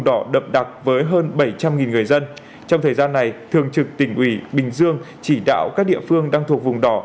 trong thời gian này thường trực tỉnh ủy bình dương chỉ đạo các địa phương đang thuộc vùng đỏ